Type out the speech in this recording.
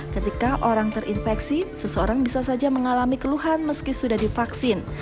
ketika orang terinfeksi seseorang bisa saja mengalami keluhan meski sudah divaksin